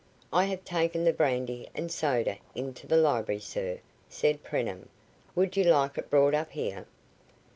"I have taken the brandy and soda into the library, sir," said Preenham. "Would you like it brought up here?"